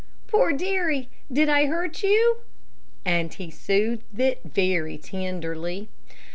"Poor Derry, did I hurt you?" and he soothed it very tenderly.